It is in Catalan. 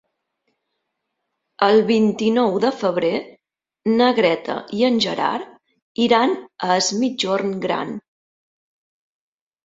El vint-i-nou de febrer na Greta i en Gerard iran a Es Migjorn Gran.